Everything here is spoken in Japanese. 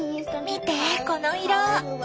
見てこの色！